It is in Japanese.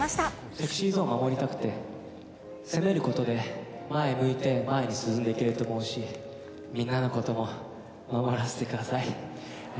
ＳｅｘｙＺｏｎｅを守りたくて、攻めることで前向いて、前に進んでいけると思うし、みんなのことも守らせてください。